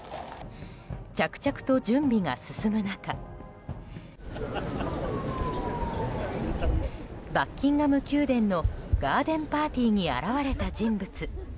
着々と準備が進む中バッキンガム宮殿のガーデンパーティーに現れた人物。